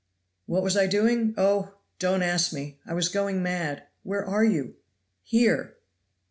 "What was I doing? Oh! don't ask me I was going mad where are you?" "Here!"